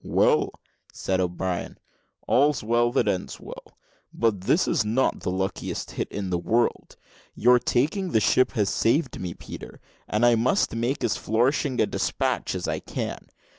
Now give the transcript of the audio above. "Well," said O'Brien, "all's well that ends well; but this is not the luckiest hit in the world. Your taking the ship has saved me, Peter; and I must make as flourishing a despatch as I can.